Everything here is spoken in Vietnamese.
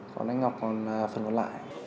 còn anh ngọc còn phần còn lại